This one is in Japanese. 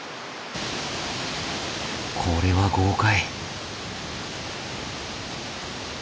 これは豪快。